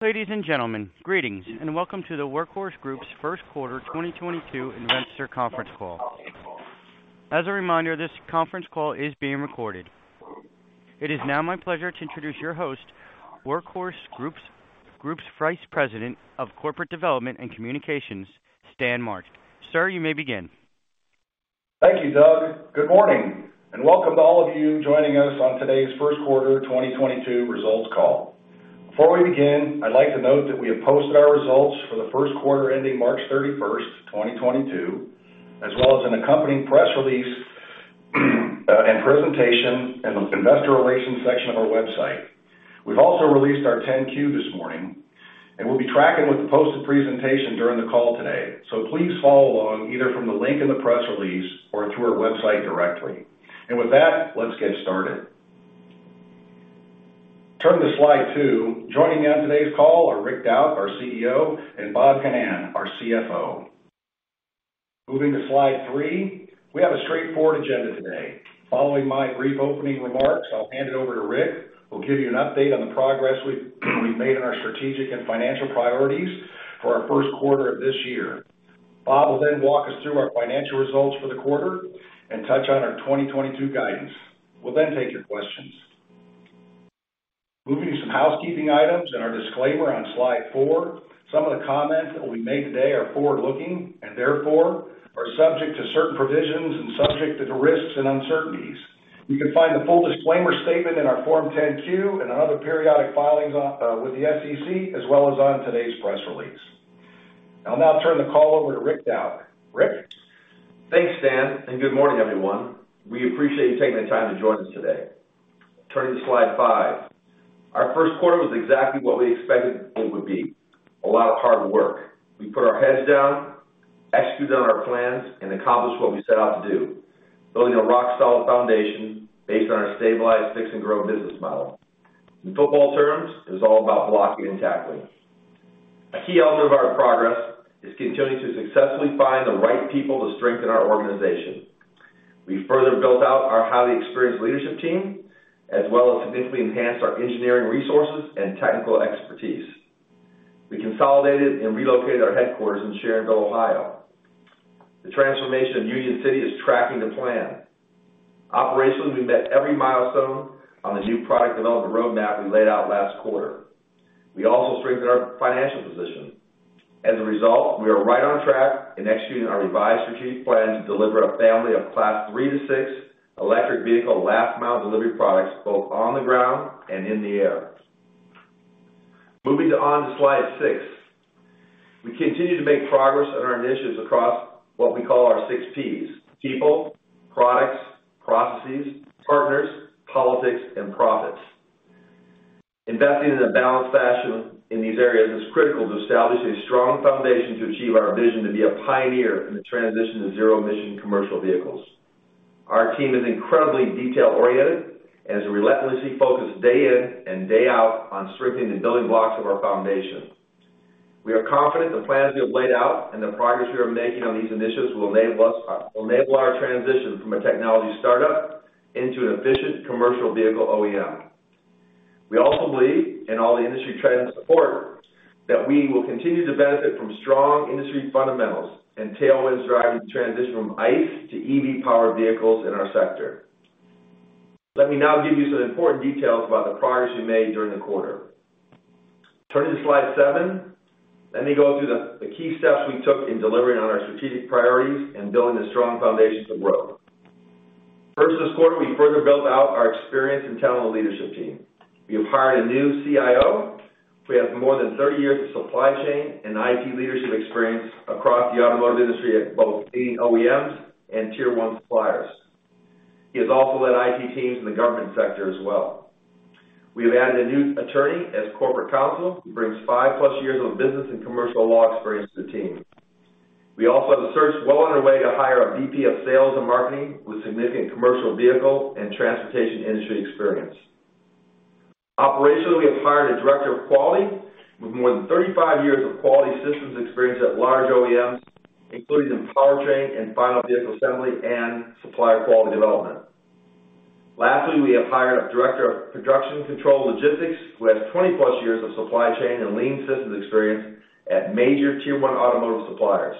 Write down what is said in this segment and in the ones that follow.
Ladies and gentlemen, greetings and welcome to the Workhorse Group's first quarter 2022 investor conference call. As a reminder, this conference call is being recorded. It is now my pleasure to introduce your host, Workhorse Group's Vice President of Corporate Development and Communications, Stan March. Sir, you may begin. Thank you, Doug. Good morning and welcome to all of you joining us on today's first quarter 2022 results call. Before we begin, I'd like to note that we have posted our results for the first quarter ending March 31, 2022, as well as an accompanying press release and presentation in the investor relations section of our website. We've also released our 10-Q this morning, and we'll be tracking with the posted presentation during the call today. Please follow along either from the link in the press release or through our website directly. With that, let's get started. Turning to slide two. Joining me on today's call are Rick Dauch, our CEO, and Bob Ginnan, our CFO. Moving to slide three. We have a straightforward agenda today. Following my brief opening remarks, I'll hand it over to Rick, who will give you an update on the progress we've made in our strategic and financial priorities for our first quarter of this year. Bob will then walk us through our financial results for the quarter and touch on our 2022 guidance. We'll then take your questions. Moving to some housekeeping items and our disclaimer on slide four. Some of the comments that we make today are forward-looking and therefore are subject to certain provisions and subject to the risks and uncertainties. You can find the full disclaimer statement in our Form 10-Q and other periodic filings with the SEC, as well as on today's press release. I'll now turn the call over to Rick Dauch. Rick. Thanks, Stan, and good morning, everyone. We appreciate you taking the time to join us today. Turning to slide five. Our first quarter was exactly what we expected it would be, a lot of hard work. We put our heads down, executed on our plans, and accomplished what we set out to do, building a rock-solid foundation based on our stabilized fix and grow business model. In football terms, it's all about blocking and tackling. A key element of our progress is continuing to successfully find the right people to strengthen our organization. We further built out our highly experienced leadership team, as well as significantly enhanced our engineering resources and technical expertise. We consolidated and relocated our headquarters in Sharonville, Ohio. The transformation of Union City is tracking to plan. Operationally, we met every milestone on the new product development roadmap we laid out last quarter. We also strengthened our financial position. As a result, we are right on track in executing our revised strategic plan to deliver a family of Class three-six electric vehicle last mile delivery products both on the ground and in the air. Moving on to slide six. We continue to make progress on our initiatives across what we call our six Ps, people, products, processes, partners, politics, and profits. Investing in a balanced fashion in these areas is critical to establishing a strong foundation to achieve our vision to be a pioneer in the transition to zero emission commercial vehicles. Our team is incredibly detail-oriented and is relentlessly focused day in and day out on strengthening the building blocks of our foundation. We are confident the plans we have laid out and the progress we are making on these initiatives will enable our transition from a technology startup into an efficient commercial vehicle OEM. We also believe, and all the industry trends support, that we will continue to benefit from strong industry fundamentals and tailwinds driving the transition from ICE to EV powered vehicles in our sector. Let me now give you some important details about the progress we made during the quarter. Turning to slide seven, let me go through the key steps we took in delivering on our strategic priorities and building a strong foundation to grow. First, this quarter, we further built out our experience and talent leadership team. We have hired a new CIO, who has more than 30 years of supply chain and IT leadership experience across the automotive industry at both leading OEMs and Tier One suppliers. He has also led IT teams in the government sector as well. We have added a new attorney as corporate counsel, who brings 5+ years of business and commercial law experience to the team. We also have a search well underway to hire a VP of sales and marketing with significant commercial vehicle and transportation industry experience. Operationally, we have hired a director of quality with more than 35 years of quality systems experience at large OEMs, including in powertrain and final vehicle assembly and supplier quality development. Lastly, we have hired a director of production control logistics, who has 20+ years of supply chain and lean systems experience at major Tier One automotive suppliers.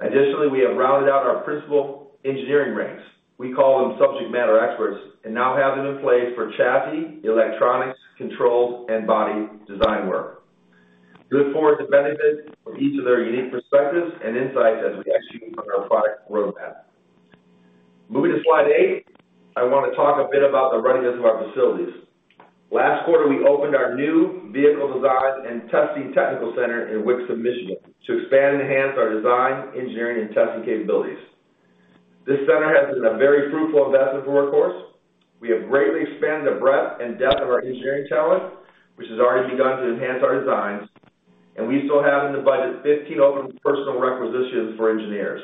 Additionally, we have rounded out our principal engineering ranks. We call them subject matter experts and now have them in place for chassis, electronics, controls, and body design work. Look forward to benefit from each of their unique perspectives and insights as we execute on our product roadmap. Moving to slide eight. I want to talk a bit about the readiness of our facilities. Last quarter, we opened our new vehicle design and testing technical center in Wixom, Michigan, to expand and enhance our design, engineering, and testing capabilities. This center has been a very fruitful investment for Workhorse. We have greatly expanded the breadth and depth of our engineering talent, which has already begun to enhance our designs, and we still have in the budget 15 open personnel requisitions for engineers.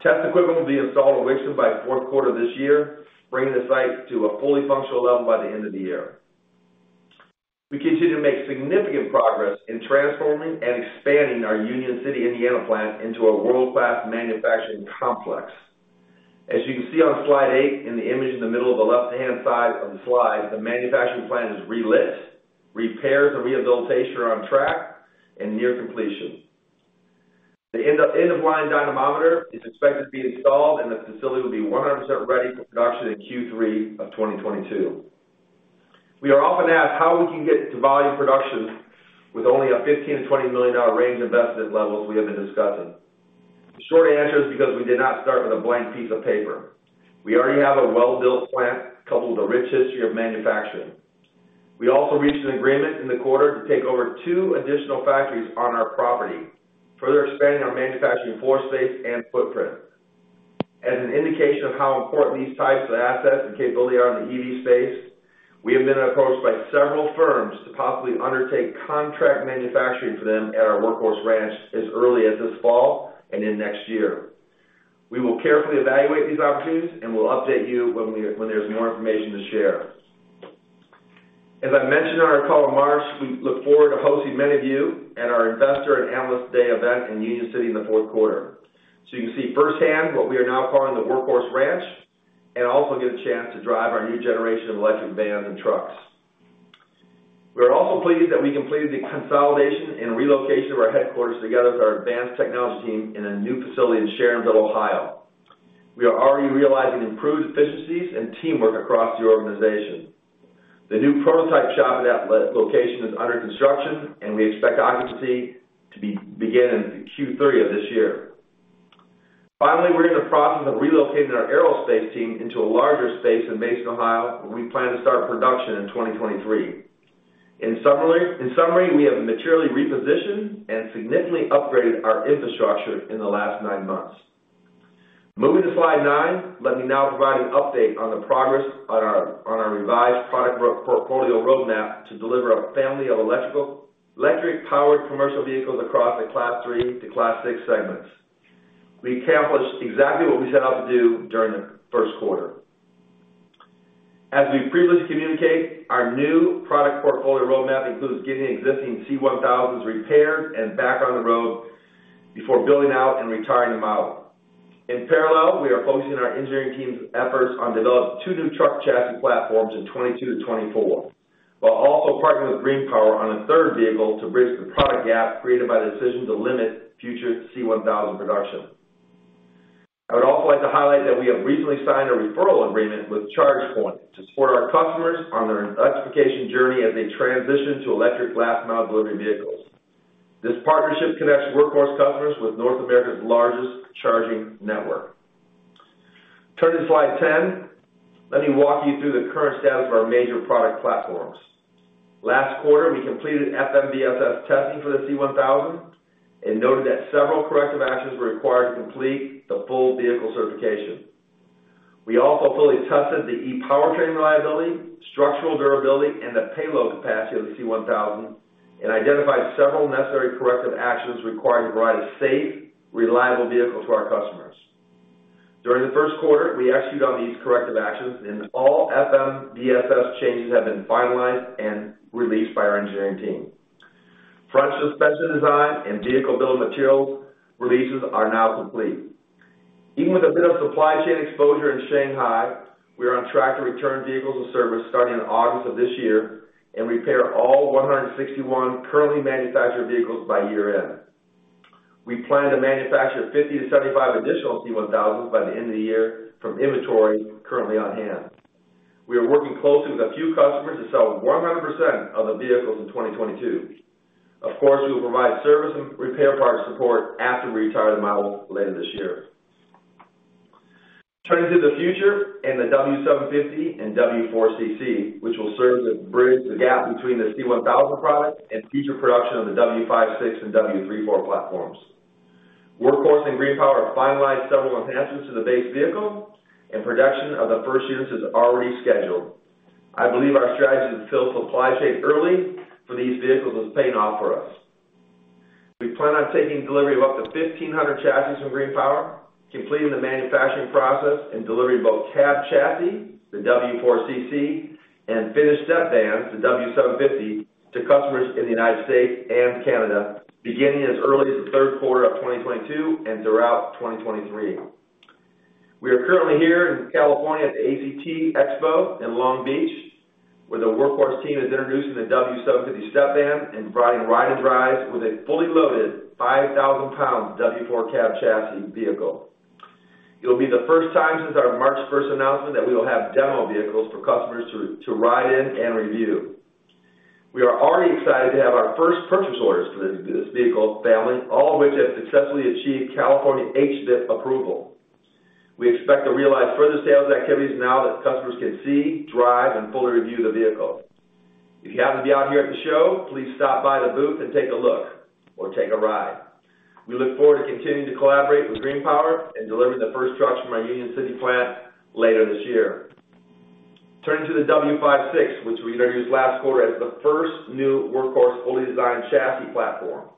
Test equipment will be installed in Wixom by fourth quarter this year, bringing the site to a fully functional level by the end of the year. We continue to make significant progress in transforming and expanding our Union City, Indiana plant into a world-class manufacturing complex. As you can see on slide eight in the image in the middle of the left-hand side of the slide, the manufacturing plant is relit, repairs and rehabilitation are on track and near completion. The end of line dynamometer is expected to be installed and the facility will be 100% ready for production in Q3 of 2022. We are often asked how we can get to volume production with only a $15 million-$20 million range investment levels we have been discussing. The short answer is because we did not start with a blank piece of paper. We already have a well-built plant coupled with a rich history of manufacturing. We also reached an agreement in the quarter to take over two additional factories on our property, further expanding our manufacturing floor space and footprint. As an indication of how important these types of assets and capability are in the EV space, we have been approached by several firms to possibly undertake contract manufacturing for them at our Workhorse Ranch as early as this fall and in next year. We will carefully evaluate these opportunities and we'll update you when there's more information to share. As I mentioned on our call in March, we look forward to hosting many of you at our Investor and Analyst Day event in Union City in the fourth quarter, so you can see firsthand what we are now calling the Workhorse Ranch and also get a chance to drive our new generation of electric vans and trucks. We are also pleased that we completed the consolidation and relocation of our headquarters together with our advanced technology team in a new facility in Sharonville, Ohio. We are already realizing improved efficiencies and teamwork across the organization. The new prototype shop at that location is under construction, and we expect occupancy to begin in Q3 of this year. Finally, we're in the process of relocating our aerospace team into a larger space in Mason, Ohio, where we plan to start production in 2023. In summary, we have materially repositioned and significantly upgraded our infrastructure in the last nine months. Moving to slide nine. Let me now provide an update on the progress on our revised product portfolio roadmap to deliver a family of electric-powered commercial vehicles across the Class three-Class six segments. We accomplished exactly what we set out to do during the first quarter. As we previously communicated, our new product portfolio roadmap includes getting existing C1000s repaired and back on the road before building out and retiring the model. In parallel, we are focusing our engineering team's efforts on developing two new truck chassis platforms in 2022-2024, while also partnering with GreenPower on a third vehicle to bridge the product gap created by the decision to limit future C1000 production. I would also like to highlight that we have recently signed a referral agreement with ChargePoint to support our customers on their electrification journey as they transition to electric last mile delivery vehicles. This partnership connects Workhorse customers with North America's largest charging network. Turning to slide 10, let me walk you through the current status of our major product platforms. Last quarter, we completed FMVSS testing for the C1000 and noted that several corrective actions were required to complete the full vehicle certification. We also fully tested the e-powertrain reliability, structural durability, and the payload capacity of the C1000 and identified several necessary corrective actions required to provide a safe, reliable vehicle to our customers. During the first quarter, we executed on these corrective actions, and all FMVSS changes have been finalized and released by our engineering team. Front suspension design and vehicle build materials releases are now complete. Even with a bit of supply chain exposure in Shanghai, we are on track to return vehicles to service starting in August of this year and repair all 161 currently manufactured vehicles by year-end. We plan to manufacture 50-75 additional C1000s by the end of the year from inventory currently on hand. We are working closely with a few customers to sell 100% of the vehicles in 2022. Of course, we will provide service and repair part support after we retire the model later this year. Turning to the future and the W750 and W4CC, which will serve to bridge the gap between the C1000 product and future production of the W56 and W34 platforms. Workhorse and GreenPower have finalized several enhancements to the base vehicle, and production of the first units is already scheduled. I believe our strategy to fill supply chain early for these vehicles is paying off for us. We plan on taking delivery of up to 1,500 chassis from GreenPower, completing the manufacturing process and delivering both cab chassis, the W4CC, and finished step vans, the W750, to customers in the United States and Canada beginning as early as the third quarter of 2022 and throughout 2023. We are currently here in California at the ACT Expo in Long Beach, where the Workhorse team is introducing the W750 step van and providing ride and drives with a fully loaded 5,000-pound W4 cab chassis vehicle. It'll be the first time since our March one announcement that we will have demo vehicles for customers to ride in and review. We are already excited to have our first purchase orders for this vehicle family, all of which have successfully achieved California HVIP approval. We expect to realize further sales activities now that customers can see, drive, and fully review the vehicle. If you happen to be out here at the show, please stop by the booth and take a look or take a ride. We look forward to continuing to collaborate with GreenPower and delivering the first trucks from our Union City plant later this year. Turning to the W56, which we introduced last quarter as the first new Workhorse fully designed chassis platform.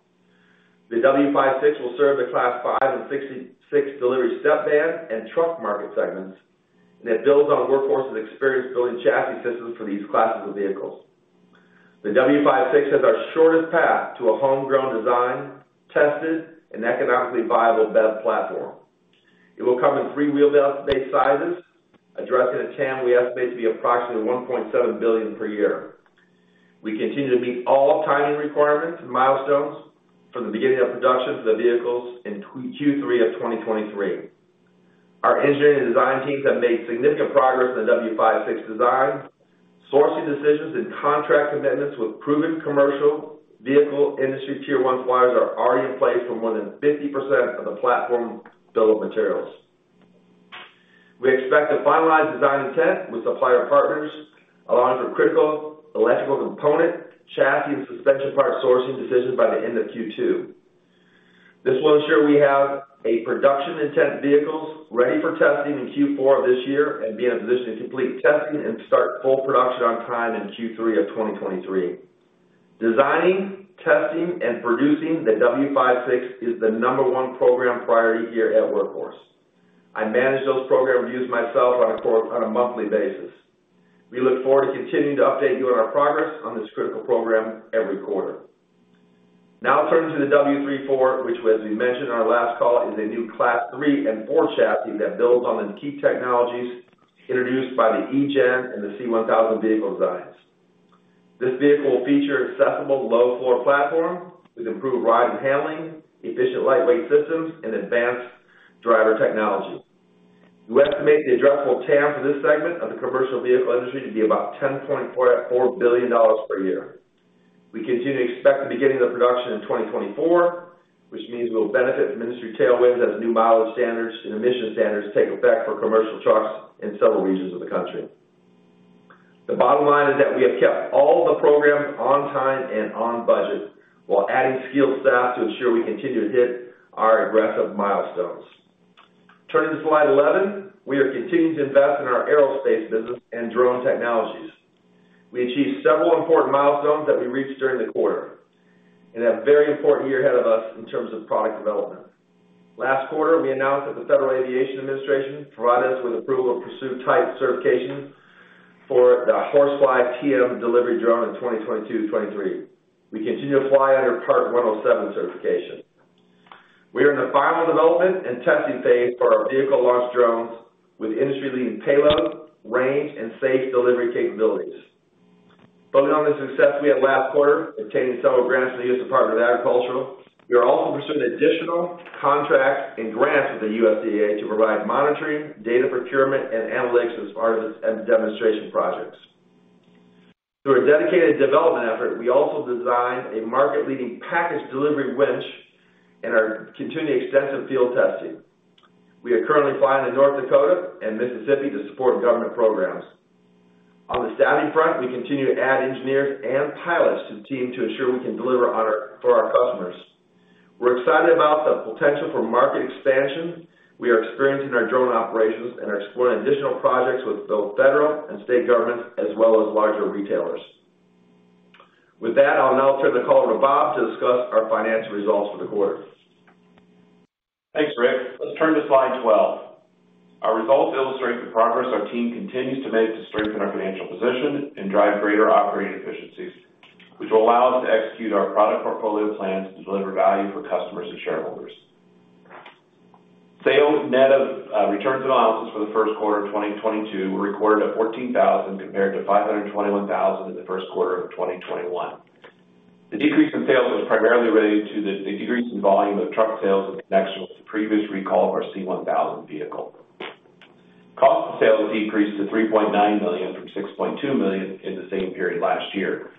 The W56 will serve the Class five and six delivery step van and truck market segments, and it builds on Workhorse's experience building chassis systems for these classes of vehicles. The W56 has our shortest path to a homegrown design, tested and economically viable BEV platform. It will come in three wheelbase sizes, addressing a TAM we estimate to be approximately $1.7 billion per year. We continue to meet all timing requirements and milestones from the beginning of production to the vehicles in Q3 of 2023. Our engineering and design teams have made significant progress in the W56 design, sourcing decisions and contract commitments with proven commercial vehicle industry Tier one suppliers are already in place for more than 50% of the platform bill of materials. We expect to finalize design intent with supplier partners, along with our critical electrical component, chassis and suspension part sourcing decisions by the end of Q2. This will ensure we have a production intent vehicles ready for testing in Q4 of this year and be in a position to complete testing and start full production on time in Q3 of 2023. Designing, testing, and producing the W56 is the number one program priority here at Workhorse. I manage those program reviews myself on a monthly basis. We look forward to continuing to update you on our progress on this critical program every quarter. Now turning to the W34, which was, as we mentioned in our last call, is a new Class three and four chassis that builds on the key technologies introduced by the E-GEN and the C-1000 vehicle designs. This vehicle will feature accessible low floor platform with improved ride and handling, efficient lightweight systems, and advanced driver technology. We estimate the addressable TAM for this segment of the commercial vehicle industry to be about $10.4 billion per year. We continue to expect the beginning of production in 2024, which means we'll benefit from industry tailwinds as new mileage standards and emission standards take effect for commercial trucks in several regions of the country. The bottom line is that we have kept all the programs on time and on budget while adding skilled staff to ensure we continue to hit our aggressive milestones. Turning to slide 11, we are continuing to invest in our aerospace business and drone technologies. We achieved several important milestones that we reached during the quarter and have a very important year ahead of us in terms of product development. Last quarter, we announced that the Federal Aviation Administration provided us with approval to pursue type certification for the HorseFly delivery drone in 2022-2023. We continue to fly under Part 107 certification. We are in the final development and testing phase for our vehicle launch drones with industry-leading payload, range, and safe delivery capabilities. Building on the success we had last quarter, obtaining several grants from the U.S. Department of Agriculture, we are also pursuing additional contracts and grants with the USDA to provide monitoring, data procurement and analytics as part of the demonstration projects. Through a dedicated development effort, we also designed a market-leading package delivery winch and are continuing extensive field testing. We are currently flying in North Dakota and Mississippi to support government programs. On the staffing front, we continue to add engineers and pilots to the team to ensure we can deliver on our for our customers. We're excited about the potential for market expansion we are experiencing in our drone operations, and are exploring additional projects with both federal and state governments as well as larger retailers. With that, I'll now turn the call over to Bob Ginnan to discuss our financial results for the quarter. Thanks, Rick. Let's turn to slide 12. Our results illustrate the progress our team continues to make to strengthen our financial position and drive greater operating efficiencies, which will allow us to execute our product portfolio plans to deliver value for customers and shareholders. Sales net of returns and allowances for the first quarter of 2022 were recorded at $14,000 compared to $521,000 in the first quarter of 2021. The decrease in sales was primarily related to the decrease in volume of truck sales in connection with the previous recall of our C-1000 vehicle. Cost of sales decreased to $3.9 million from $6.2 million in the same period last year.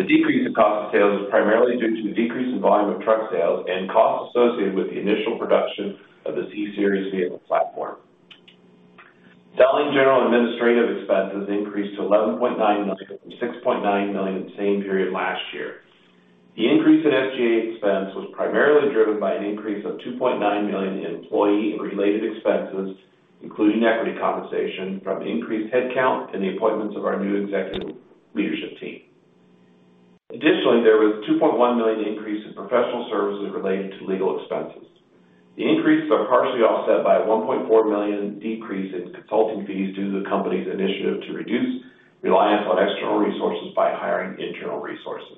The decrease in cost of sales was primarily due to the decrease in volume of truck sales and costs associated with the initial production of the C-Series vehicle platform. Selling, general, and administrative expenses increased to $11.9 million from $6.9 million in the same period last year. The increase in SG&A expense was primarily driven by an increase of $2.9 million in employee and related expenses, including equity compensation from increased headcount and the appointments of our new executive leadership team. Additionally, there was $2.1 million increase in professional services related to legal expenses. The increases are partially offset by a $1.4 million decrease in consulting fees due to the company's initiative to reduce reliance on external resources by hiring internal resources.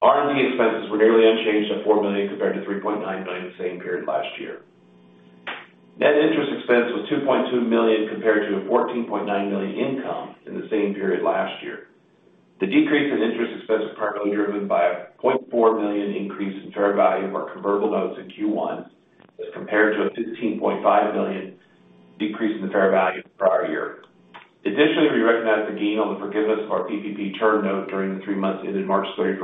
R&D expenses were nearly unchanged at $4 million compared to $3.9 million in the same period last year. Net interest expense was $2.2 million compared to a $14.9 million income in the same period last year. The decrease in interest expense was primarily driven by a $0.4 million increase in fair value of our convertible notes in Q1 as compared to a $15.5 million decrease in the fair value in the prior year. Additionally, we recognized the gain on the forgiveness of our PPP term note during the three months ended March 31,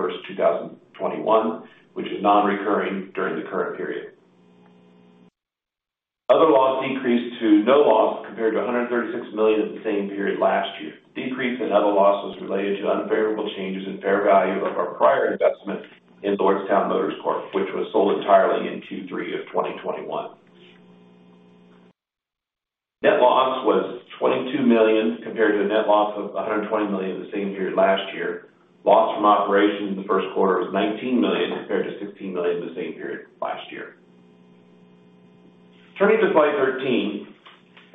2021, which is non-recurring during the current period. Other loss decreased to no loss compared to a $136 million in the same period last year. Decrease in other loss was related to unfavorable changes in fair value of our prior investment in Lordstown Motors Corp, which was sold entirely in Q3 of 2021. Net loss was $22 million compared to a net loss of $120 million in the same period last year. Loss from operations in the first quarter was $19 million compared to $16 million in the same period last year. Turning to slide 13.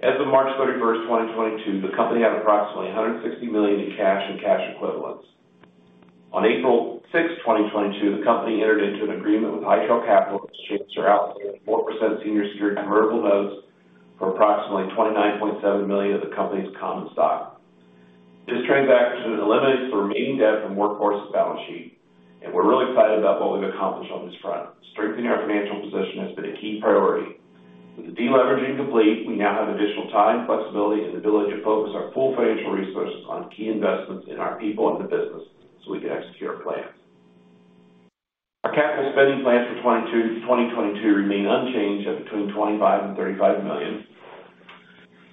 As of March 31, 2022, the company had approximately $160 million in cash and cash equivalents. On April 6, 2022, the company entered into an agreement with B. Riley Principal Capital to exchange certain outstanding 4% senior secured convertible notes for approximately $29.7 million of the company's common stock. This transaction eliminates the remaining debt from Workhorse's balance sheet, and we're really excited about what we've accomplished on this front. Strengthening our financial position has been a key priority. With the de-leveraging complete, we now have additional time, flexibility, and ability to focus our full financial resources on key investments in our people and the business so we can execute our plan. Our capital spending plans for 2022 remain unchanged at between $25 million and $35 million.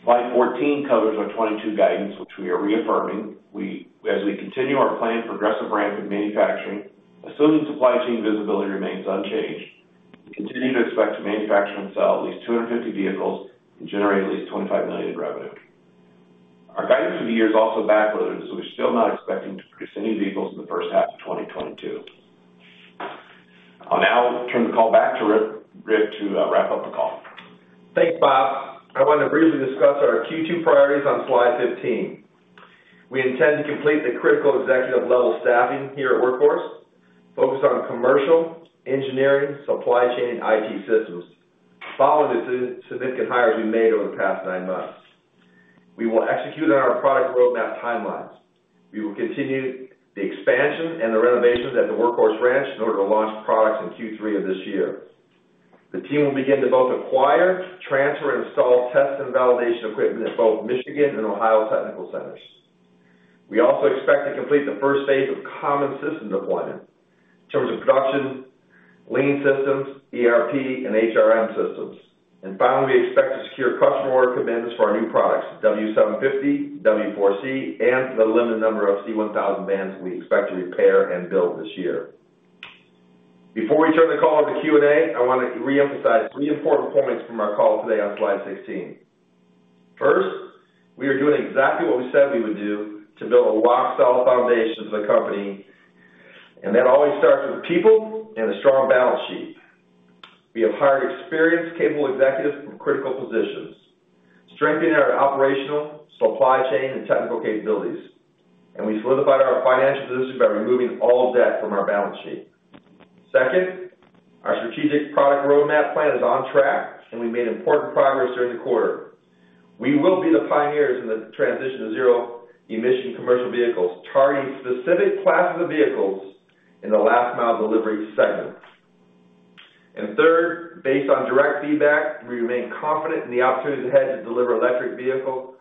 Slide 14 covers our 2022 guidance, which we are reaffirming. As we continue our planned progressive ramp in manufacturing, assuming supply chain visibility remains unchanged, we continue to expect to manufacture and sell at least 250 vehicles and generate at least $25 million in revenue. Our guidance for the year is also backloaded, so we're still not expecting to produce any vehicles in the first half of 2022. I'll now turn the call back to Rick to wrap up the call. Thanks, Bob. I want to briefly discuss our Q2 priorities on slide 15. We intend to complete the critical executive level staffing here at Workhorse, focused on commercial, engineering, supply chain, and IT systems following the significant hires we've made over the past nine months. We will execute on our product roadmap timelines. We will continue the expansion and the renovations at the Workhorse Ranch in order to launch products in Q3 of this year. The team will begin to both acquire, transfer, install, test, and validation equipment at both Michigan and Ohio technical centers. We also expect to complete the first phase of common system deployment in terms of production, lean systems, ERP, and HRM systems. Finally, we expect to secure customer orders commitments for our new products, W750, W4CC, and for the limited number of C-1000 vans we expect to repair and build this year. Before we turn the call to Q&A, I wanna reemphasize 3 important points from our call today on slide 16. First, we are doing exactly what we said we would do to build a rock-solid foundation for the company, and that always starts with people and a strong balance sheet. We have hired experienced, capable executives from critical positions, strengthening our operational, supply chain, and technical capabilities, and we solidified our financial position by removing all debt from our balance sheet. Second, our strategic product roadmap plan is on track, and we made important progress during the quarter. We will be the pioneers in the transition to zero emission commercial vehicles, targeting specific classes of vehicles in the last mile delivery segment. Third, based on direct feedback, we remain confident in the opportunity ahead to deliver electric vehicles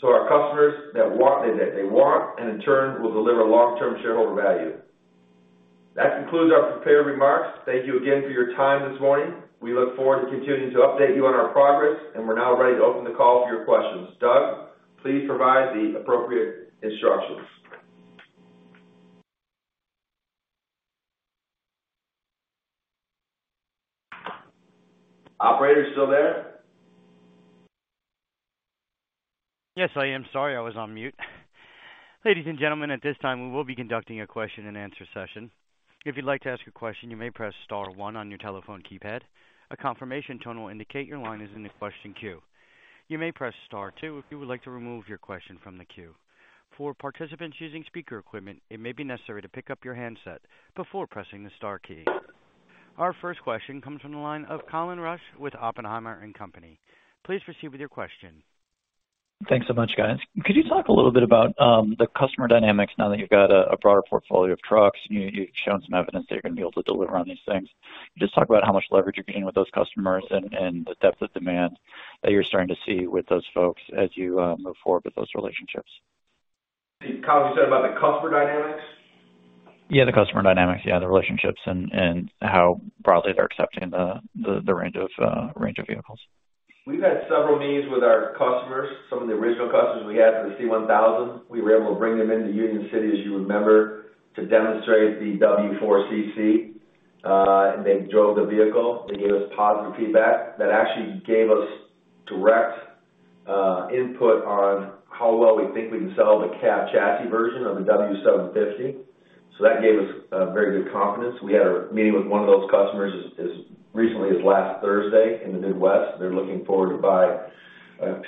to our customers that they want, and in turn, will deliver long-term shareholder value. That concludes our prepared remarks. Thank you again for your time this morning. We look forward to continuing to update you on our progress, and we're now ready to open the call for your questions. Doug, please provide the appropriate instructions. Operator, you still there? Yes, I am. Sorry, I was on mute. Ladies and gentlemen, at this time, we will be conducting a question and answer session. If you'd like to ask a question, you may press star one on your telephone keypad. A confirmation tone will indicate your line is in the question queue. You may press star two if you would like to remove your question from the queue. For participants using speaker equipment, it may be necessary to pick up your handset before pressing the star key. Our first question comes from the line of Colin Rusch with Oppenheimer & Co. Please proceed with your question. Thanks so much, guys. Could you talk a little bit about the customer dynamics now that you've got a broader portfolio of trucks? You've shown some evidence that you're gonna be able to deliver on these things. Just talk about how much leverage you're getting with those customers and the depth of demand that you're starting to see with those folks as you move forward with those relationships. Colin, you said about the customer dynamics? Yeah, the customer dynamics. Yeah, the relationships and how broadly they're accepting the range of vehicles. We've had several meetings with our customers, some of the original customers we had for the C1000. We were able to bring them into Union City, as you remember, to demonstrate the W4 CC, and they drove the vehicle. They gave us positive feedback. That actually gave us direct input on how well we think we can sell the cab chassis version of the W750. That gave us very good confidence. We had a meeting with one of those customers as recently as last Thursday in the Midwest. They're looking forward to buy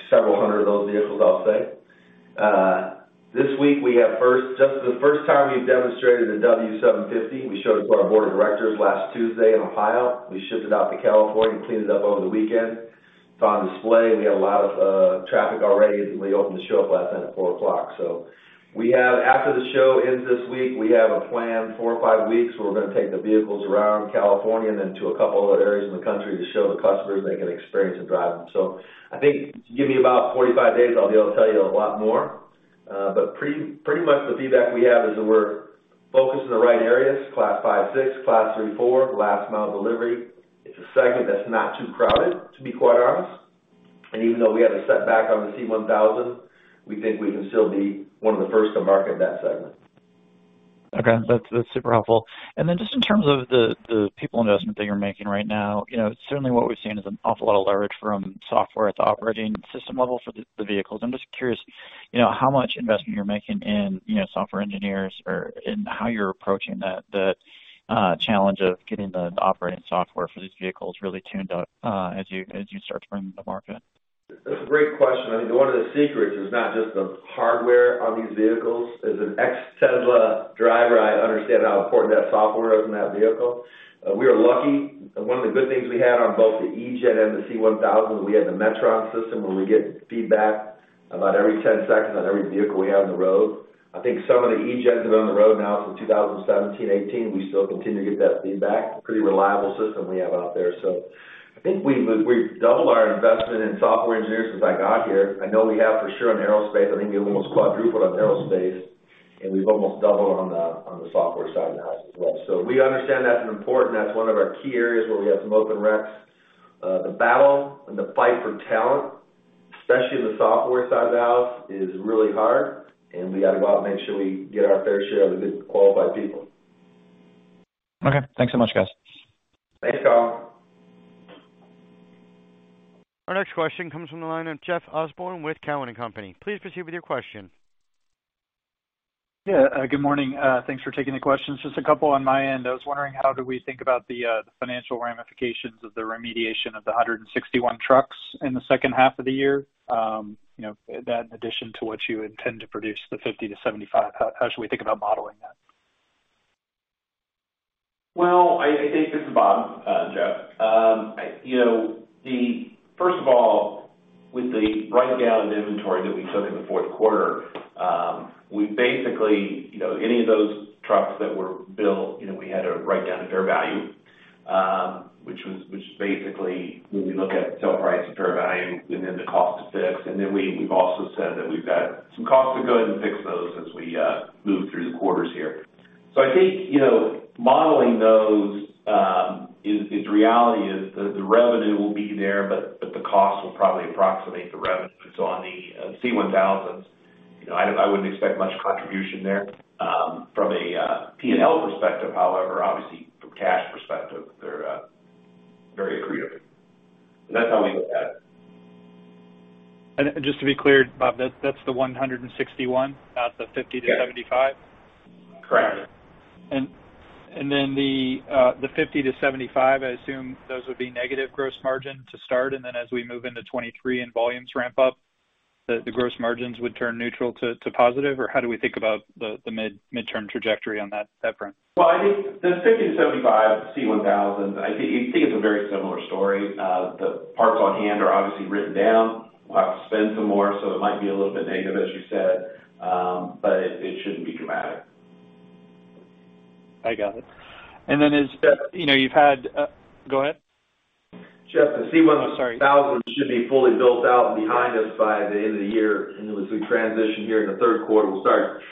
several hundred of those vehicles, I'll say. This week, just the first time we've demonstrated the W750. We showed it to our board of directors last Tuesday in Ohio. We shipped it out to California and cleaned it up over the weekend. It's on display. We had a lot of traffic already as we opened the show up last night at 4:00 P.M. After the show ends this week, we have a planned four or five weeks where we're gonna take the vehicles around California and then to a couple other areas in the country to show the customers. They can experience and drive them. I think give me about 45 days, I'll be able to tell you a lot more. Pretty much the feedback we have is that we're focused in the right areas, class five, six, class three, four, last mile delivery. It's a segment that's not too crowded, to be quite honest. Even though we had a setback on the C-1000, we think we can still be one of the first to market in that segment. Okay. That's super helpful. Just in terms of the people investment that you're making right now, you know, certainly what we've seen is an awful lot of leverage from software at the operating system level for the vehicles. I'm just curious. You know, how much investment you're making in, you know, software engineers or in how you're approaching the challenge of getting the operating software for these vehicles really tuned up, as you start to bring them to market. That's a great question. I think one of the secrets is not just the hardware on these vehicles. As an ex-Tesla driver, I understand how important that software is in that vehicle. We are lucky. One of the good things we had on both the E-GEN and the C1000, we had the Metron system where we get feedback about every 10 seconds on every vehicle we have on the road. I think some of the E-GENs that are on the road now from 2017, 2018, we still continue to get that feedback. Pretty reliable system we have out there. I think we've doubled our investment in software engineers since I got here. I know we have for sure on aerospace. I think we almost quadrupled on aerospace, and we've almost doubled on the software side of the house as well. We understand that's an important. That's one of our key areas where we have some open recs. The battle and the fight for talent, especially in the software side of the house, is really hard, and we got to go out and make sure we get our fair share of the good qualified people. Okay. Thanks so much, guys. Thanks, Colin. Our next question comes from the line of Jeff Osborne with Cowen and Company. Please proceed with your question. Yeah, good morning. Thanks for taking the questions. Just a couple on my end. I was wondering how do we think about the financial ramifications of the remediation of the 161 trucks in the second half of the year? You know, that in addition to what you intend to produce, the 50-75, how should we think about modeling that? Well, I think, this is Bob, Jeff. You know, first of all, with the write down of inventory that we took in the fourth quarter, we basically, you know, any of those trucks that were built, you know, we had to write down a fair value, which is basically when we look at the sale price and fair value and then the cost to fix. We, we've also said that we've got some costs to go ahead and fix those as we move through the quarters here. I think, you know, modeling those is reality, the revenue will be there, but the cost will probably approximate the revenue. On the C-1000, you know, I wouldn't expect much contribution there from a P&L perspective, however. Obviously, from a cash perspective, they're very accretive. That's how we look at it. Just to be clear, Bob, that's the 161, not the 50-75? Correct. The 50-75, I assume those would be negative gross margin to start, and then as we move into 2023 and volumes ramp up, the gross margins would turn neutral to positive? Or how do we think about the mid-term trajectory on that front? Well, I think the 50-75 C-1000, I think it's a very similar story. The parts on hand are obviously written down. We'll have to spend some more, so it might be a little bit negative, as you said, but it shouldn't be dramatic. I got it. As you know, you've had. Go ahead. Jeff, the C1000 Oh, sorry. It should be fully built out and behind us by the end of the year. As we transition here in the third quarter, we'll start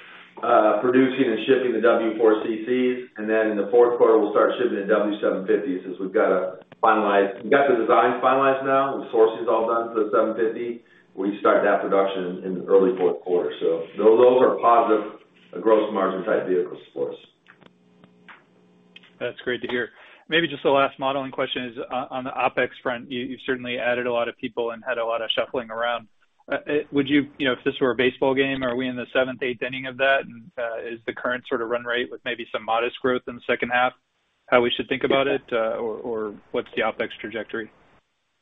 producing and shipping the W4CCs, and then in the fourth quarter, we'll start shipping the W750s since we've got the designs finalized now and the sourcing is all done for the 750. We start that production in early fourth quarter. Those are positive gross margin type vehicles for us. That's great to hear. Maybe just the last modeling question is on the OpEx front. You certainly added a lot of people and had a lot of shuffling around. Would you know, if this were a baseball game, are we in the seventh, eighth inning of that? Is the current sort of run rate with maybe some modest growth in the second half, how we should think about it? Or what's the OpEx trajectory?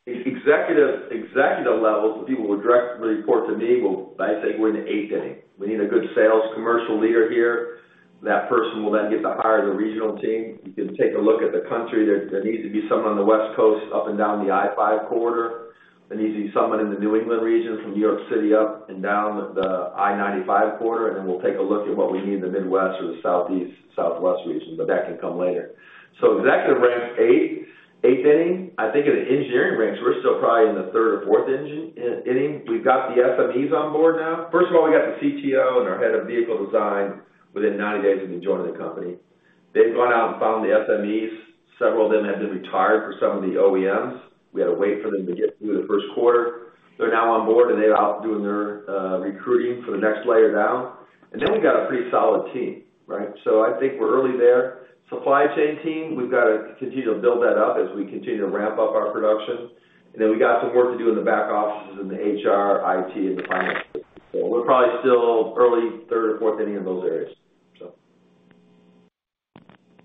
Executive levels, the people who directly report to me, well, I'd say we're in the eighth inning. We need a good sales commercial leader here. That person will then get to hire the regional team. You can take a look at the country. There needs to be someone on the West Coast up and down the I-five corridor. There needs to be someone in the New England region from New York City up and down the I-95 corridor, and then we'll take a look at what we need in the Midwest or the Southeast, Southwest region, but that can come later. Executive ranks, eighth inning. I think in the engineering ranks, we're still probably in the third or fourth inning. We've got the SMEs on board now. First of all, we got the CTO and our head of vehicle design within 90 days of me joining the company. They've gone out and found the SMEs. Several of them had been retired for some of the OEMs. We had to wait for them to get through the first quarter. They're now on board, and they're out doing their recruiting for the next layer down. We've got a pretty solid team, right? I think we're early there. Supply chain team, we've got to continue to build that up as we continue to ramp up our production. We got some work to do in the back offices in the HR, IT, and the finance space. We're probably still early third or fourth inning in those areas.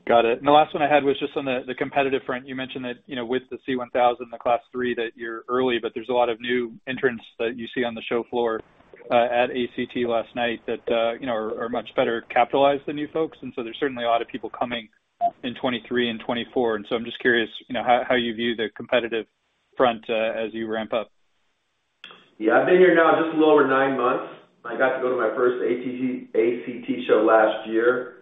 Got it. The last one I had was just on the competitive front. You mentioned that, you know, with the C-1000, the Class three, that you're early, but there's a lot of new entrants that you see on the show floor at ACT last night that, you know, are much better capitalized than you folks. There's certainly a lot of people coming in 2023 and 2024. I'm just curious, you know, how you view the competitive front as you ramp up. Yeah. I've been here now just a little over nine months. I got to go to my first ACT show last year.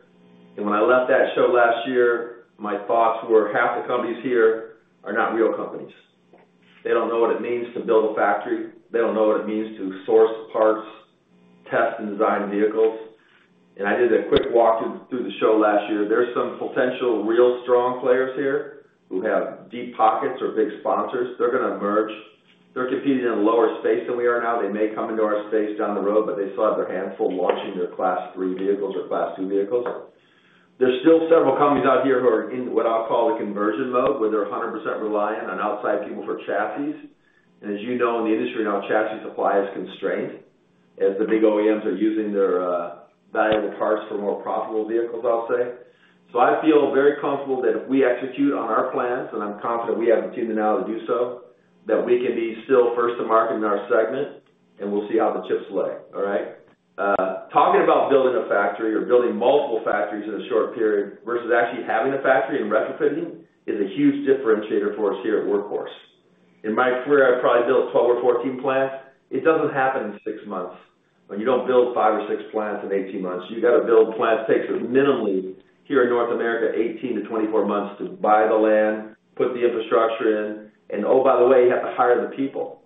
When I left that show last year, my thoughts were, half the companies here are not real companies. They don't know what it means to build a factory. They don't know what it means to source parts, test, and design vehicles. I did a quick walk through the show last year. There's some potential real strong players here who have deep pockets or big sponsors. They're gonna emerge. They're competing in a lower space than we are now. They may come into our space down the road, but they still have their hands full launching their Class three vehicles or Class two vehicles. There's still several companies out here who are in what I'll call a conversion mode, where they're 100% reliant on outside people for chassis. As you know, in the industry now, chassis supply is constrained as the big OEMs are using their valuable parts for more profitable vehicles, I'll say. I feel very comfortable that if we execute on our plans, and I'm confident we have the tools and know-how to do so, that we can be still first to market in our segment, and we'll see how the chips fall. All right? Talking about building a factory or building multiple factories in a short period versus actually having a factory and retrofitting is a huge differentiator for us here at Workhorse. In my career, I've probably built 12 or 14 plants. It doesn't happen in six months. You don't build five or six plants in 18 months. You got to build plants, takes minimally here in North America, 18 months-24 months to buy the land, put the infrastructure in, and oh, by the way, you have to hire the people.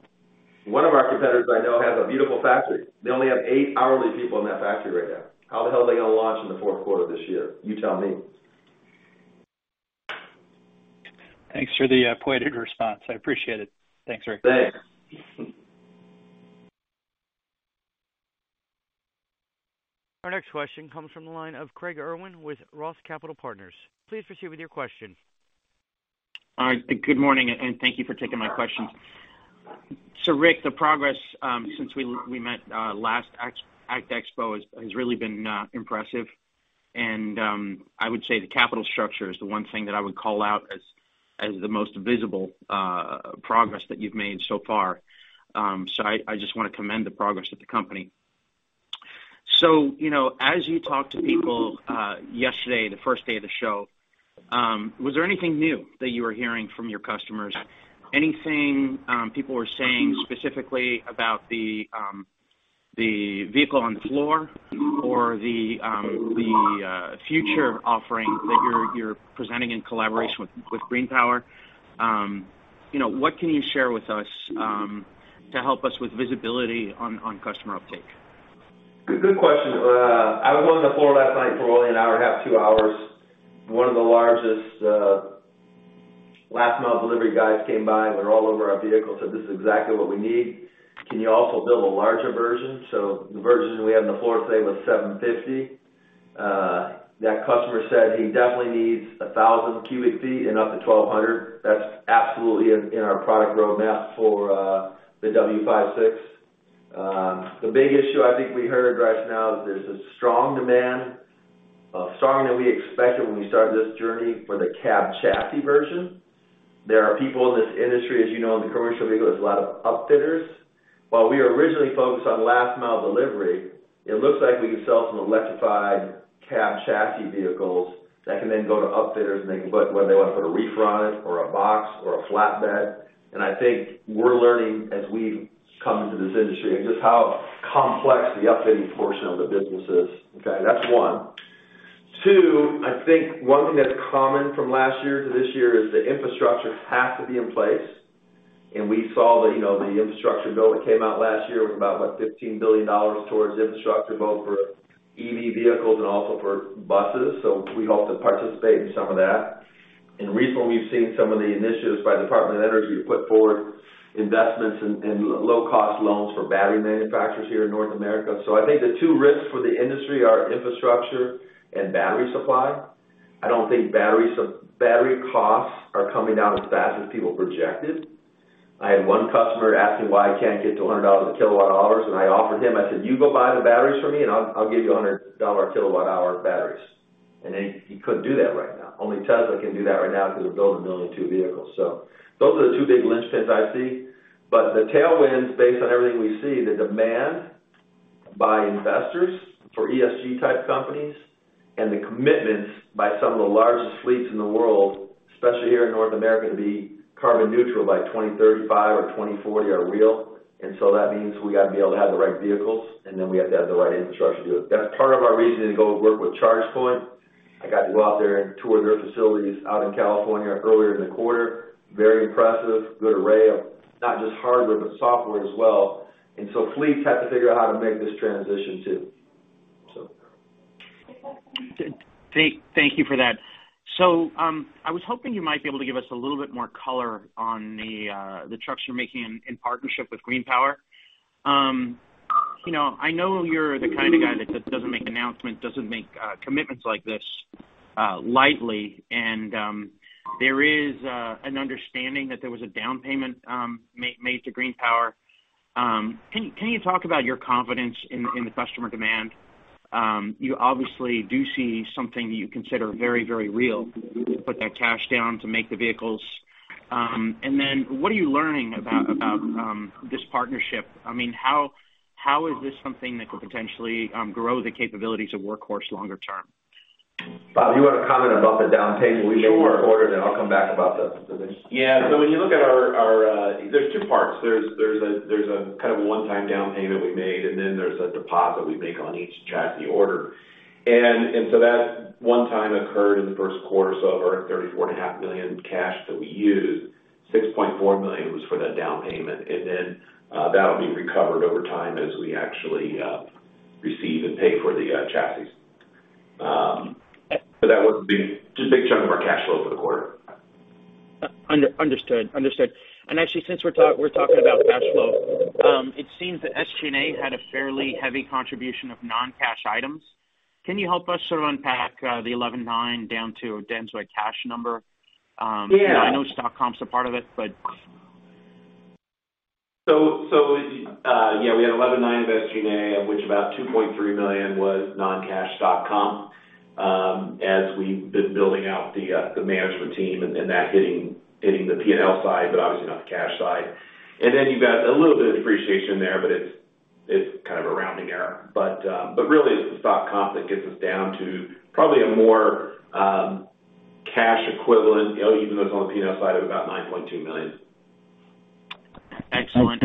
One of our competitors I know has a beautiful factory. They only have 8 hourly people in that factory right now. How the hell are they gonna launch in the fourth quarter this year? You tell me. Thanks for the pointed response. I appreciate it. Thanks, Rick. Thanks. Our next question comes from the line of Craig Irwin with Roth Capital Partners. Please proceed with your question. All right. Good morning and thank you for taking my question. Rick, the progress since we met last ACT Expo has really been impressive. I would say the capital structure is the one thing that I would call out as the most visible progress that you've made so far. I just wanna commend the progress of the company. You know, as you talk to people yesterday, the first day of the show, was there anything new that you were hearing from your customers? Anything people were saying specifically about the vehicle on the floor or the future offering that you're presenting in collaboration with GreenPower? You know, what can you share with us to help us with visibility on customer uptake? Good question. I was on the floor last night for only an hour and a half, two hours. One of the largest last mile delivery guys came by. They're all over our vehicle, said, "This is exactly what we need. Can you also build a larger version?" The version we have on the floor today was 750. That customer said he definitely needs 1,000 cubic feet and up to 1,200. That's absolutely in our product roadmap for the W56. The big issue I think we heard right now is there's a strong demand, stronger than we expected when we started this journey for the cab chassis version. There are people in this industry, as you know, in the commercial vehicle, there's a lot of upfitters. While we were originally focused on last mile delivery, it looks like we can sell some electrified cab chassis vehicles that can then go to upfitters, and they can put whether they wanna put a reefer on it or a box or a flatbed. I think we're learning as we come into this industry and just how complex the upfitting portion of the business is. Okay, that's one. Two, I think one thing that's common from last year to this year is the infrastructure has to be in place. We saw the, you know, the infrastructure bill that came out last year was about, what, $15 billion towards infrastructure, both for EV vehicles and also for buses. We hope to participate in some of that. Recently, we've seen some of the initiatives by Department of Energy to put forward investments in low cost loans for battery manufacturers here in North America. I think the two risks for the industry are infrastructure and battery supply. I don't think battery costs are coming down as fast as people projected. I had one customer ask me why I can't get to $100/kWh, and I offered him. I said, "You go buy the batteries for me and I'll give you $100/kWh batteries." He couldn't do that right now. Only Tesla can do that right now because they're building only two vehicles. Those are the two big linchpins I see. The tailwinds, based on everything we see, the demand by investors for ESG-type companies and the commitments by some of the largest fleets in the world, especially here in North America, to be carbon neutral by 2035 or 2040 are real. That means we gotta be able to have the right vehicles, and then we have to have the right infrastructure to do it. That's part of our reasoning to go work with ChargePoint. I got to go out there and tour their facilities out in California earlier in the quarter. Very impressive. Good array of not just hardware, but software as well. Fleets have to figure out how to make this transition too. Thank you for that. I was hoping you might be able to give us a little bit more color on the trucks you're making in partnership with GreenPower. You know, I know you're the kind of guy that just doesn't make announcements, doesn't make commitments like this lightly. There is an understanding that there was a down payment made to GreenPower. Can you talk about your confidence in the customer demand? You obviously do see something that you consider very real to put that cash down to make the vehicles. What are you learning about this partnership? I mean, how is this something that could potentially grow the capabilities of Workhorse longer term? Bob, do you wanna comment about the down payment we made this quarter? Sure. I'll come back about the rest. Yeah. When you look at our... There's two parts. There's a kind of a one-time down payment we made, and then there's a deposit we make on each chassis order. That one time occurred in the first quarter. Of our $34.5 million cash that we used, $6.4 million was for that down payment. That'll be recovered over time as we actually receive and pay for the chassis. That was just a big chunk of our cash flow for the quarter. Understood. Actually, since we're talking about cash flow, it seems that SG&A had a fairly heavy contribution of non-cash items. Can you help us sort of unpack the $11.9 down to an adjusted cash number? Yeah. I know stock comps are part of it, but. Yeah, we had $11.9 million of SG&A, of which about $2.3 million was non-cash stock comp, as we've been building out the management team and that hitting the P&L side, but obviously not the cash side. Then you've got a little bit of depreciation there, but it's kind of a rounding error. Really it's the stock comp that gets us down to probably a more cash equivalent, even though it's on the P&L side of about $9.2 million. Excellent.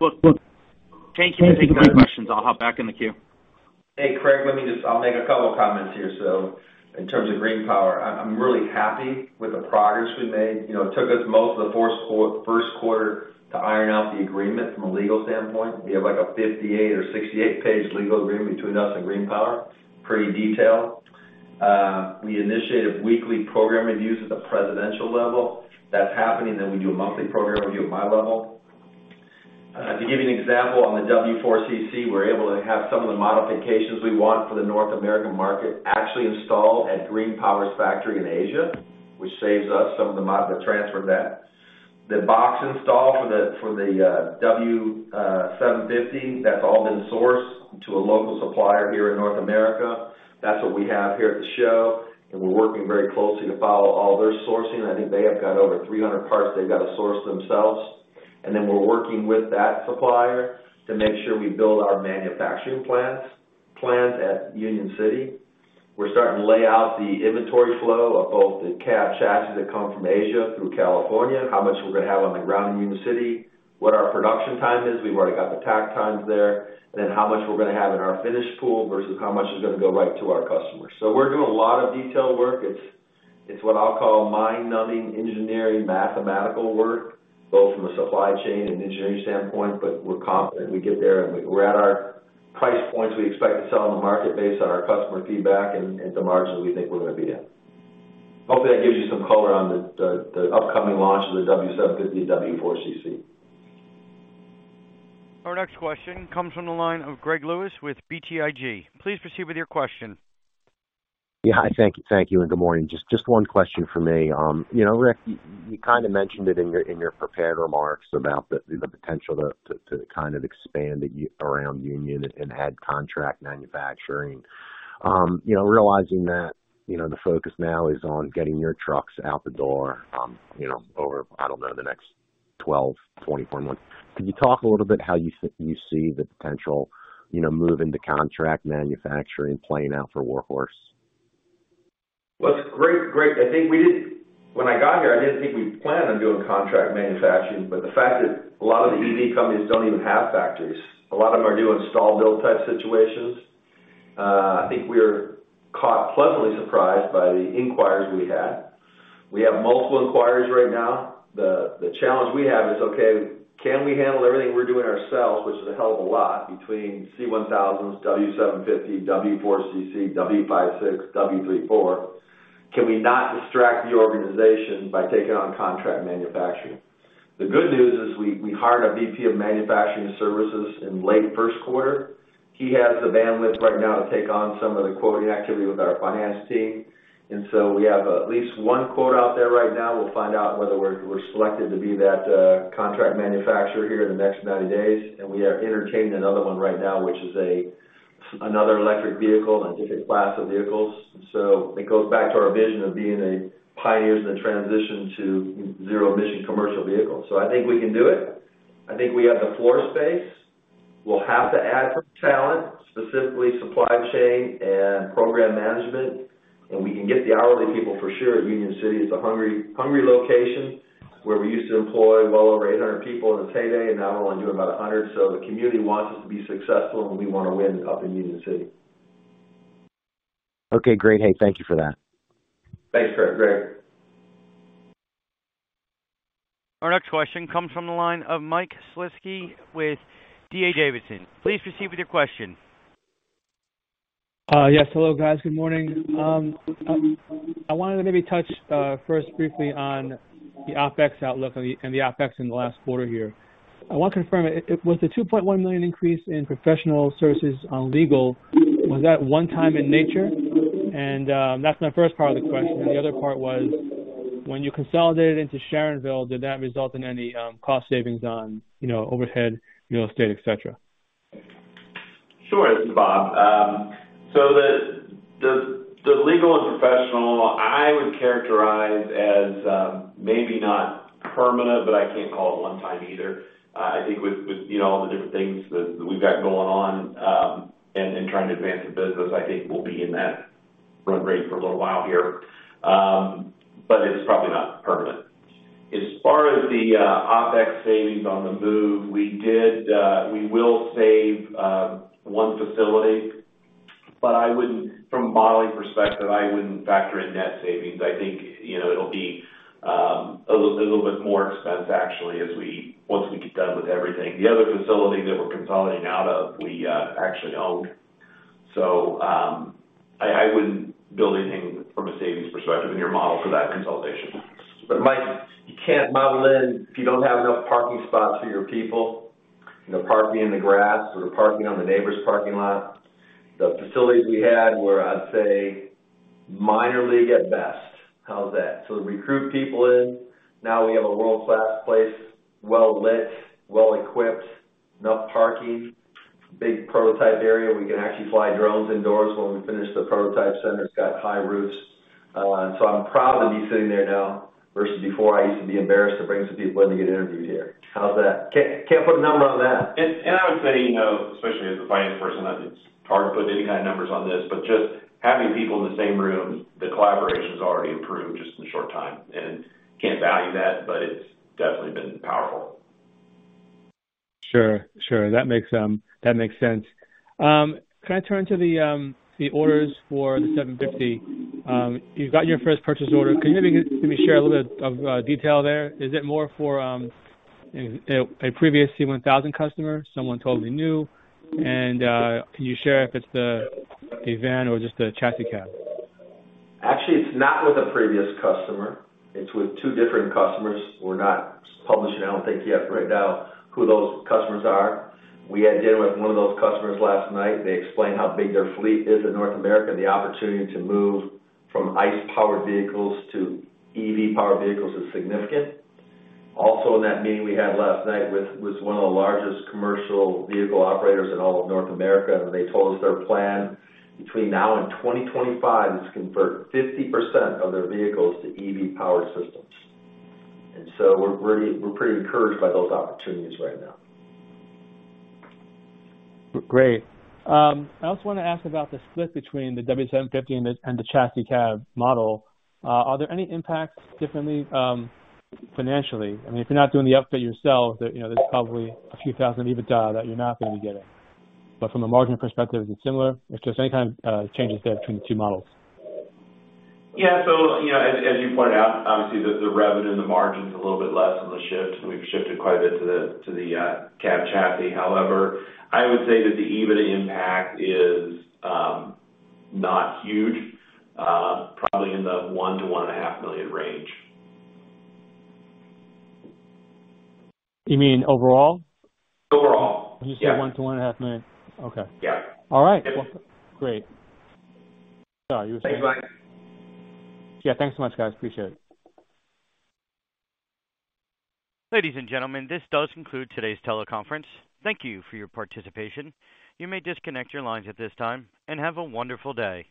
Look, thank you. I think that questions. I'll hop back in the queue. Hey, Craig, let me just. I'll make a couple of comments here. In terms of GreenPower, I'm really happy with the progress we've made. You know, it took us most of the first quarter to iron out the agreement from a legal standpoint. We have, like, a 58 or 68 page legal agreement between us and GreenPower. Pretty detailed. We initiated weekly program reviews at the presidential level. That's happening. We do a monthly program review at my level. To give you an example, on the W4CC, we're able to have some of the modifications we want for the North American market actually installed at GreenPower's factory in Asia, which saves us some of the mod, the transfer of that. The box install for the W750, that's all been sourced to a local supplier here in North America. That's what we have here at the show, and we're working very closely to follow all their sourcing. I think they have got over 300 parts they've got to source themselves. We're working with that supplier to make sure we build our manufacturing plans at Union City. We're starting to lay out the inventory flow of both the cab chassis that come from Asia through California, how much we're gonna have on the ground in Union City, what our production time is. We've already got the takt times there. How much we're gonna have in our finished pool versus how much is gonna go right to our customers. We're doing a lot of detailed work. It's what I'll call mind-numbing engineering, mathematical work, both from a supply chain and engineering standpoint. We're confident we get there, and we're at our price points we expect to sell in the market based on our customer feedback and the margins we think we're gonna be at. Hopefully, that gives you some color on the upcoming launch of the W750, W4CC. Our next question comes from the line of Greg Lewis with BTIG. Please proceed with your question. Yeah. Hi. Thank you, and good morning. Just one question for me. You know, Rick, you kinda mentioned it in your prepared remarks about the potential to kind of expand around Union and add contract manufacturing. You know, realizing that the focus now is on getting your trucks out the door, you know, over, I don't know, the next 12, 24 months, can you talk a little bit how you see the potential, you know, move into contract manufacturing playing out for Workhorse? Well, it's great. I think when I got here, I didn't think we planned on doing contract manufacturing, but the fact that a lot of the EV companies don't even have factories, a lot of them are doing small build type situations. I think we're quite pleasantly surprised by the inquiries we had. We have multiple inquiries right now. The challenge we have is, okay, can we handle everything we're doing ourselves, which is a hell of a lot between C1000, W750, W4CC, W56, W34. Can we not distract the organization by taking on contract manufacturing? The good news is we hired a VP of manufacturing services in late first quarter. He has the bandwidth right now to take on some of the quoting activity with our finance team. We have at least one quote out there right now. We'll find out whether we're selected to be that contract manufacturer here in the next 90 days. We are entertaining another one right now, which is another electric vehicle in a different class of vehicles. It goes back to our vision of being pioneers in the transition to zero-emission commercial vehicles. I think we can do it. I think we have the floor space. We'll have to add some talent, specifically supply chain and program management, and we can get the hourly people for sure at Union City. It's a hungry location where we used to employ well over 800 people in its heyday, and now we're only doing about 100. The community wants us to be successful, and we wanna win up in Union City. Okay, great. Hey, thank you for that. Thanks, Greg. Our next question comes from the line of Mike Shlisky with D.A. Davidson. Please proceed with your question. Yes. Hello, guys. Good morning. I wanted to maybe touch first briefly on the OpEx outlook and the OpEx in the last quarter here. I want to confirm, was the $2.1 million increase in professional services on legal one-time in nature? That's my first part of the question. The other part was, when you consolidated into Sharonville, did that result in any cost savings on, you know, overhead, real estate, et cetera? Sure. This is Bob. The legal and professional I would characterize as maybe not permanent, but I can't call it one time either. I think with you know, all the different things that we've got going on and trying to advance the business, I think we'll be in that run rate for a little while here. It's probably not permanent. As far as the OpEx savings on the move, we will save one facility, but I wouldn't from a modeling perspective factor in net savings. I think you know, it'll be a little bit more expense actually once we get done with everything. The other facility that we're consolidating out of, we actually own. I wouldn't build anything from a savings perspective in your model for that consolidation. Mike, you can't model in if you don't have enough parking spots for your people. You know, parking in the grass or parking on the neighbor's parking lot. The facilities we had were, I'd say, minor league at best. How's that? To recruit people in, now we have a world-class place, well-lit, well-equipped, enough parking, big prototype area. We can actually fly drones indoors when we finish the prototype center. It's got high roofs. I'm proud to be sitting there now, versus before I used to be embarrassed to bring some people in to get interviewed here. How's that? Can't put a number on that. I would say, you know, especially as a finance person, it's hard to put any kind of numbers on this, but just having people in the same room, the collaboration's already improved just in a short time and can't value that, but it's definitely been powerful. Sure. That makes sense. Can I turn to the orders for the W750? You've got your first purchase order. Can you maybe share a little bit of detail there? Is it more for a previous C1000 customer? Someone totally new? Can you share if it's the van or just the chassis cab? Actually, it's not with a previous customer. It's with two different customers. We're not publishing, I don't think yet right now, who those customers are. We had a dinner with one of those customers last night. They explained how big their fleet is in North America, and the opportunity to move from ICE powered vehicles to EV powered vehicles is significant. Also, in that meeting we had last night with one of the largest commercial vehicle operators in all of North America, and they told us their plan between now and 2025 is to convert 50% of their vehicles to EV powered systems. We're pretty encouraged by those opportunities right now. Great. I also wanna ask about the split between the W750 and the chassis cab model. Are there any different impacts, financially? I mean, if you're not doing the upfit yourself, you know, there's probably a few thousand EBITDA that you're not going to be getting. But from a margin perspective, is it similar? If there's any kind of changes there between the two models. You know, as you pointed out, obviously the revenue and the margin's a little bit less on the shift, and we've shifted quite a bit to the cab chassis. However, I would say that the EBITDA impact is not huge, probably in the $1 million-$1.5 million range. You mean overall? Overall. You said $1 million-$1.5 million. Okay. Yeah. All right. Well, great. Sorry, you were saying? Thanks, Mike. Yeah. Thanks so much, guys. Appreciate it. Ladies and gentlemen, this does conclude today's teleconference. Thank you for your participation. You may disconnect your lines at this time, and have a wonderful day.